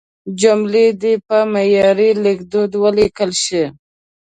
جملې دې په معیاري لیکدود ولیکل شي.